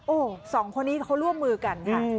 โอ้โหสองคนนี้เขาร่วมมือกันค่ะ